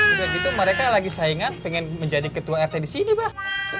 udah gitu mereka lagi saingan pengen menjadi ketua rt di sini bah